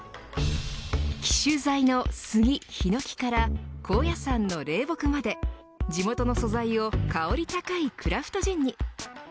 紀州材のスギ、ヒノキから高野山の霊木まで地元の素材を香り高いクラフトジンに。